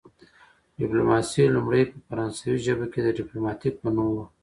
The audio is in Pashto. ډیپلوماسي لومړی په فرانسوي ژبه کې د ډیپلوماتیک په نوم وه